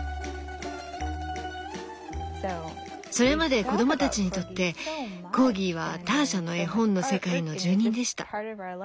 それまで子供たちにとってコーギーはターシャの絵本の世界の住人でした。